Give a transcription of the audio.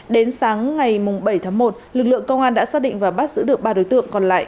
đến sáng ngày bảy tháng một lực lượng công an đã xác định và bắt giữ được ba đối tượng còn lại